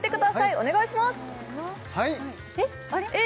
お願いしますせー